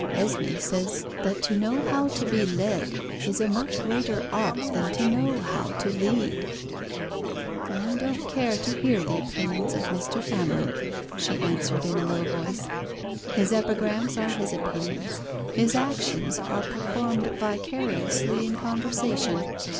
Esmé says that to know how to be led is a much greater art than to know how to lead." "I don't care to hear the opinions of Mr. Amarinth," she answered in a low voice. "His epigrams are his opinions. His actions are performed vicariously in conversation.